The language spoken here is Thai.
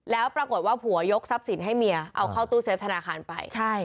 แล้วปรากฏว่าผัวยกทรัพย์สินให้เมียเอาเข้าตู้เซฟธนาคารไป